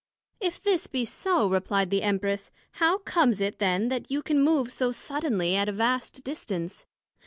If this be so, replied the Empress, How comes it then that you can move so suddenly at a vast distance?